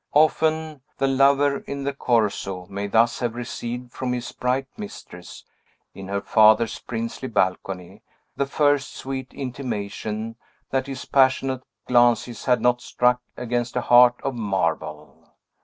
Often, the lover in the Corso may thus have received from his bright mistress, in her father's princely balcony, the first sweet intimation that his passionate glances had not struck against a heart of marble.